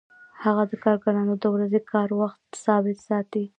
هغه د کارګرانو د ورځني کار وخت ثابت ساتي